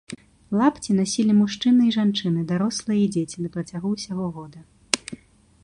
Лапці насілі мужчыны і жанчыны, дарослыя і дзеці на працягу ўсяго года.